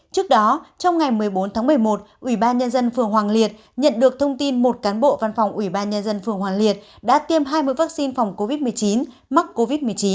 trước đó trong ngày một mươi bốn tháng một mươi một ủy ban nhân dân phường hoàng liệt nhận được thông tin một cán bộ văn phòng ủy ban nhân dân phường hòa liệt đã tiêm hai mươi vaccine phòng covid một mươi chín mắc covid một mươi chín